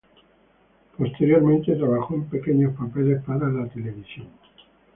Posteriormente trabajó en pequeños papeles para la televisión.